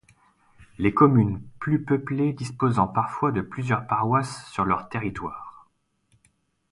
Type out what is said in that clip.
Les communes plus peuplées disposant parfois de plusieurs paroisses sur leurs territoires.